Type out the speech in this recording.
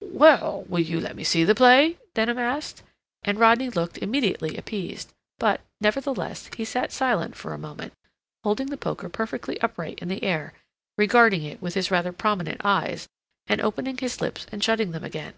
"Well,... will you let me see the play?" Denham asked, and Rodney looked immediately appeased, but, nevertheless, he sat silent for a moment, holding the poker perfectly upright in the air, regarding it with his rather prominent eyes, and opening his lips and shutting them again.